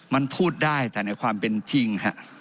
มันพูดได้แต่ในความเป็นจริง